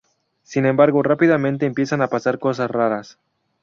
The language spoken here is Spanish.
Sin embargo, rápidamente empiezan a pasar cosas raras.